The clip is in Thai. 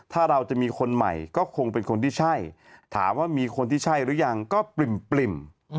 ถ้าเราจะมีคนใหม่ก็คงเป็นคนที่ใช่ถามว่ามีคนที่ใช่หรือยังก็ปริ่ม